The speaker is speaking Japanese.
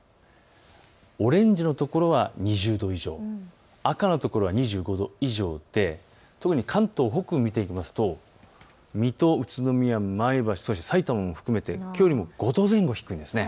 オレンジの所は２０度以上、赤の所は２５度以上で関東の北部を見ていきますと水戸、宇都宮、前橋、さいたまも含めてきょうよりも５度前後低いです。